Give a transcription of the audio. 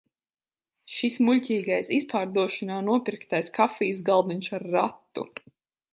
Šis muļķīgais izpārdošanā nopirktais kafijas galdiņš ar ratu!